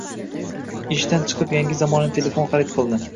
Ishdan chiqib yangi zamonaviy telefon xarid qildi